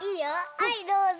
はいどうぞ。